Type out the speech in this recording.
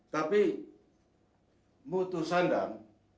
tapi mutu sandang